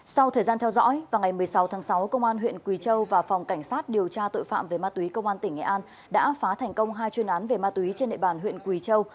sau thời gian theo dõi vào ngày một mươi sáu tháng sáu công an huyện quỳ châu và phòng cảnh sát điều tra tội phạm về ma túy công an tỉnh nghệ an đã phá thành công hai chuyên án về ma túy trên nệ bàn huyện quỳ châu